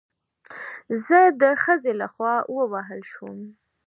زه د ښځې له خوا ووهل شوم